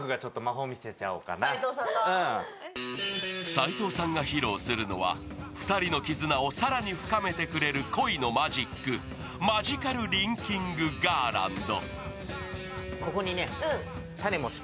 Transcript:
斎藤さんが披露するのは２人の絆を更に深めてくれる恋のマジック、マジカルリンキングガーランド。